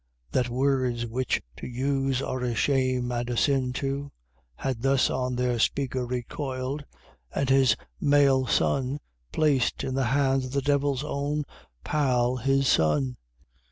That words, which to use are a shame and a sin too, Had thus on their speaker recoiled, and his malison Placed in the hands of the Devil's own "pal" his son!